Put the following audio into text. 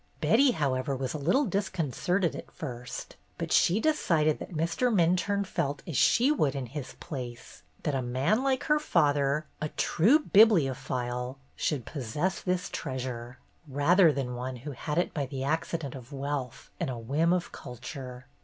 Betty, however, was a little disconcerted at first, but she decided that Mr. Minturne felt as she would in his place, that a man like her father, a true bibliophile, should possess this treasure, rather than one who had it by the accident of wealth and a whim of culture.